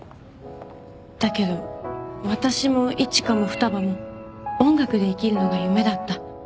だけど私も一夏も双葉も音楽で生きるのが夢だった。